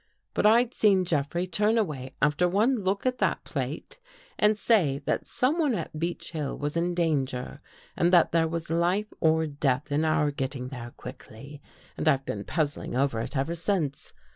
But I'd seen Jeffrey turn away after one look at that plate, and say that someone at Beech Hill was in danger and that there was life or death in our getting there quickly, and I've been puzzling over it ever since.